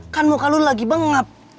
kan muka lu lagi bengap